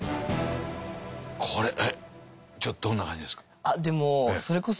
これちょっとどんな感じですか？